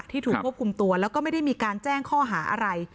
ถูกควบคุมตัวแล้วก็ไม่ได้มีการแจ้งข้อหาอะไร